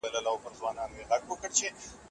د عايد وېش بايد په عادلانه توګه ترسره سي.